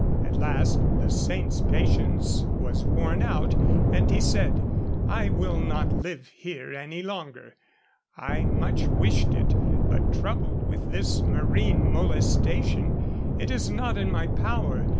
At last the saint's patience was worn out, and he said, 'I will not live here any longer; I much wished it, but troubled with this marine molestation, it is not in my power.